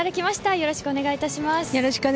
よろしくお願いします。